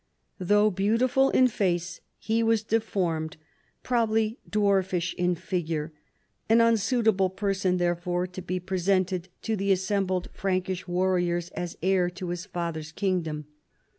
Though beautiful in face he was deformed, probably dwarfish in figure, an un suitable person therefore to be presented to the assembled Frankish warriors as heir to his father's kingdom.